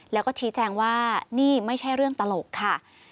แล้วก็ชี้แจงว่านี่ไม่ใช่เรื่องตลกค่ะ